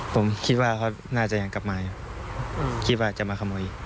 ผมคิดว่าเขาน่าจะยังกลับมาคิดว่าจะมาขโมย